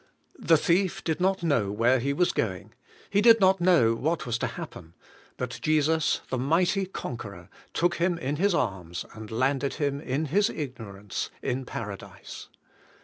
The thief did not know where he was going, he did not know what was to happen, but Jesus, the mighty conqueror, took him in His arms, and landed him, in his ignorance, in Paradise.